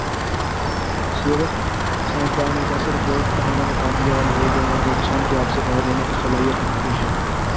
Zurich science دان ایسے robot بنانے میں کامیاب ہوگئے ہیں جو انسانی آنکھ سے غائب ہونے کی صلاحیت رکھتے ہیں